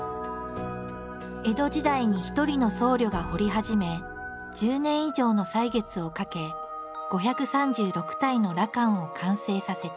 江戸時代に一人の僧侶が彫り始め１０年以上の歳月をかけ５３６体の羅漢を完成させた。